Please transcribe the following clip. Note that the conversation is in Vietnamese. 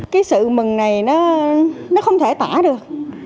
cái sự mừng này nó không thể tỏa được